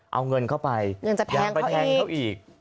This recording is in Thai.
เอาเงินเข้าไปยังไปแทงเขาอีก